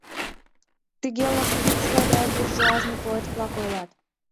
Тыге Лохвицкая гай буржуазный поэт-влак ойлат.